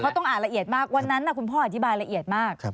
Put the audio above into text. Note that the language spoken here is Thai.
เขาต้องอ่านละเอียดมากวันนั้นคุณพ่ออธิบายละเอียดมาก